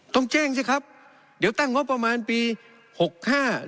ต้องแจ้งสิครับเดี๋ยวตั้งงบประมาณปีหกห้า